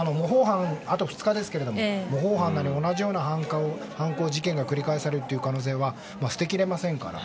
あと２日ですが、模倣犯なり同じような犯行や事件が繰り返される可能性は捨てきれませんから。